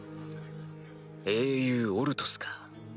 英雄オルトスか。